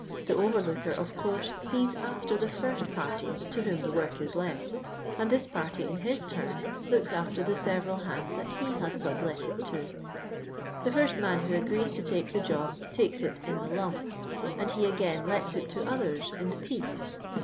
The overlooker, of course, sees after the first p;irty to whom the work is let, and this party in his turn looks after tho several hands that he h;is sublet it to. The first man who agrees to the job takes it in the lump, and he again lets it to others in the piece.